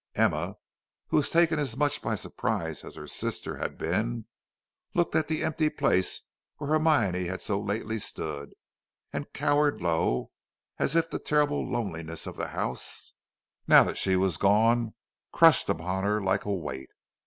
Emma, who was taken as much by surprise as her sister had been, looked at the empty place where Hermione had so lately stood, and cowered low, as if the terrible loneliness of the house, now she was gone, crushed upon her like a weight.